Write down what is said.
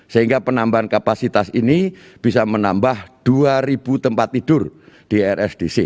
sehingga penambahan kapasitas ini bisa menambah dua tempat tidur